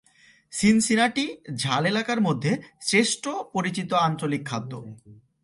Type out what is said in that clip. Cincinnati ঝাল এলাকার মধ্যে "শ্রেষ্ঠ পরিচিত আঞ্চলিক খাদ্য"।